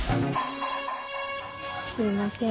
すいません